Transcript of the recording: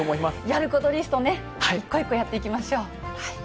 やることリストね、一個一個やっていきましょう。